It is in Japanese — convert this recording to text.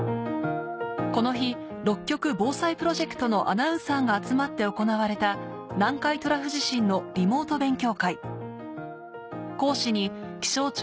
この日６局防災プロジェクトのアナウンサーが集まって行われた南海トラフ地震のリモート勉強会講師に気象庁